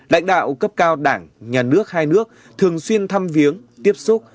lãnh đạo cấp cao đảng nhà nước hai nước thường xuyên thăm viếng tiếp xúc